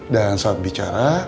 dan saat bicara